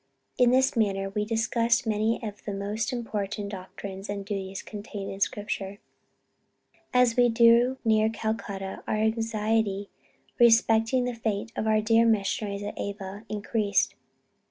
In this manner we discussed many of the most important doctrines and duties contained in Scripture. As we drew near Calcutta, our anxiety respecting the fate of our dear missionaries at Ava, increased.